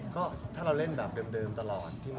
ก็ถ้าเราเล่นแบบเดิมตลอด